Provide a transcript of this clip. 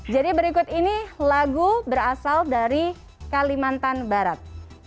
jadi berikut ini lagu berasal dari kalimantan barat